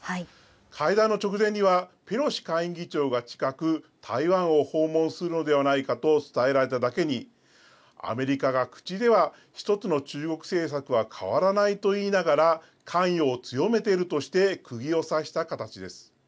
会談の直前には、ペロシ下院議長が近く、台湾を訪問するのではないかと伝えられただけに、アメリカが口では１つの中国政策は変わらないと言いながら、関与を強めているとして、くぎを刺した形です。